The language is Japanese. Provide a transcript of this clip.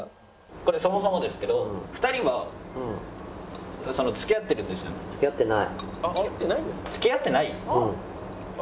これそもそもですけど付き合ってない？